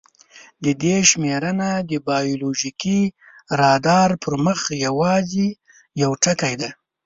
د دې شمېرنه د بایولوژیکي رادار پر مخ یواځې یو ټکی دی.